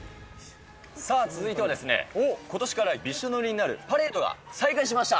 さあ、続いてはですね、ことしからびしょぬれになるパレードが再開しました。